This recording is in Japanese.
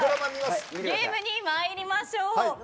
ゲームにまいりましょう。